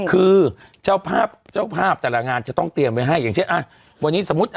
คือเจ้าภาพเจ้าภาพแต่ละงานจะต้องเตรียมไว้ให้อย่างเช่นอ่ะวันนี้สมมุติ